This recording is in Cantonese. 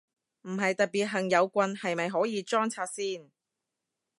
唔係特別恨有棍，係咪可以裝拆先？